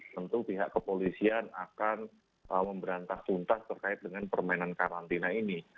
tentu pihak kepolisian akan memberantas tuntas terkait dengan permainan karantina ini